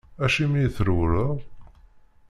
Acimi i trewleḍ?